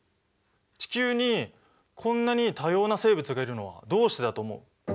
地球にこんなに多様な生物がいるのはどうしてだと思う？